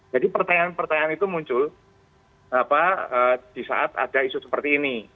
jadi pertanyaan pertanyaan itu muncul di saat ada isu seperti ini